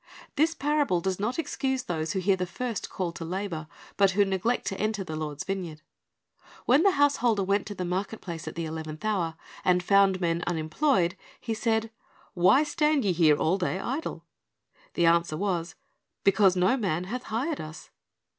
This parable does not excuse those who hear the first call to labor, but who neglect to enter the Lord's vineyard. When the householder went to the market place at the eleventh hour, and found men unemployed, he said, "Why stand ye here all the day idle?" The answer was, "Because no man hath hired us."